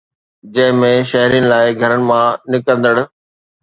جنهن ۾ شهرين لاءِ گهرن مان نڪرندڙ